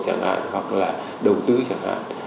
chẳng hạn hoặc là đầu tư chẳng hạn